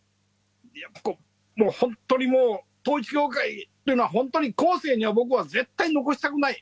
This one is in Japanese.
本当にもう統一教会っていうのは、本当に後世には僕は絶対に残したくない。